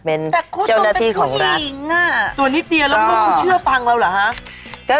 แต่ครูตุ๋นเป็นผู้หญิงตัวนิเตียแล้วไม่มีผู้เชื่อบังเราเหรอฮะ